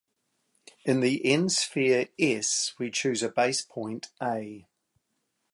In the "n"-sphere "S" we choose a base point "a".